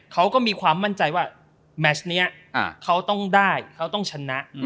เขาก็มีความมั่นใจว่าแมชนี้เขาต้องได้เขาต้องชนะ